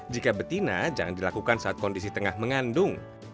jika betina jangan dilakukan saat kondisi tengah mengandung